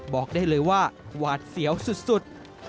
บอกได้เลยว่าหวาดเสียวสุด